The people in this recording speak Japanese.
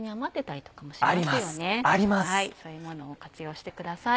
そういうものを活用してください。